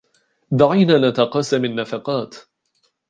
دعينا نتقاسم النفقات.